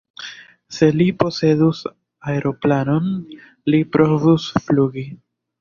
Se li posedus aeroplanon, li provus flugi.